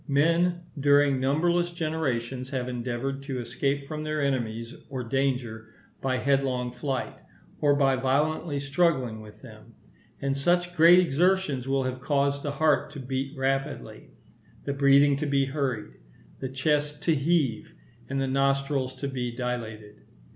Men, during numberless generations, have endeavoured to escape from their enemies or danger by headlong flight, or by violently struggling with them; and such great exertions will have caused the heart to beat rapidly, the breathing to be hurried, the chest to heave, and the nostrils to be dilated.